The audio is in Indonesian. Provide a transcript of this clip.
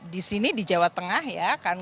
di sini di jawa tengah ya kan